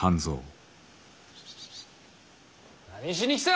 何しに来た。